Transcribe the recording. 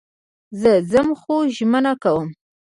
زه ځم خو ژمنه کوم